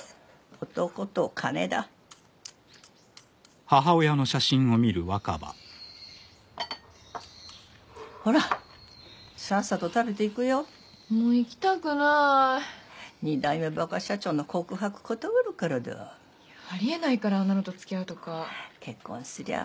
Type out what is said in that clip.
男と金だほらさっさと食べて行くよもう行きたくない２代目バカ社長の告白断るからだありえないからあんなのとつきあうとか結婚すりゃあ